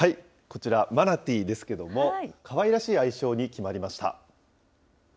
こちら、マナティーですけれども、かわいらしい愛称に決まりました。